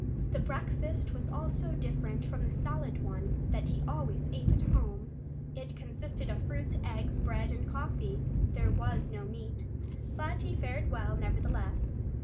The breakfast was also different from the solid one that he always ate at home. It consisted of fruits, eggs, bread and coffee. There was no meat. But he fared very well, nevertheless.